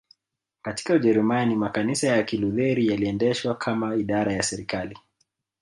katika Ujerumani makanisa ya Kilutheri yaliendeshwa kama idara za serikali